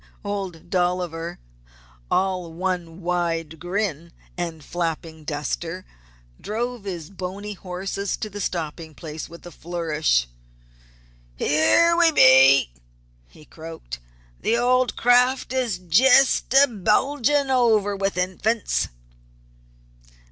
Old Dolliver, all one wide grin and flapping duster, drove his bony horses to the stopping place with a flourish. "Here we be!" he croaked. "The old craft is jest a bulgin' over with Infants."